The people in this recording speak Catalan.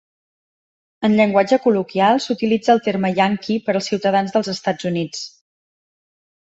En llenguatge col·loquial, s'utilitza el terme "yankee" per als ciutadans dels Estats Units.